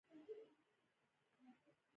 باسواده میندې د پلاستیک کارول کموي.